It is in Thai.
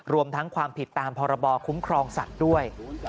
รวมทั้งความผิดตามพรบคุ้มครองสัตว์ด้วย